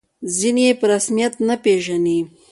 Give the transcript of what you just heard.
ځینې یې په رسمیت نه پېژني.